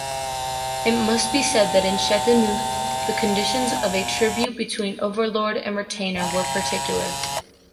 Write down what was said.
It must be said that in Châteauneuf, the conditions of a tribute between overlord and retainer were particular.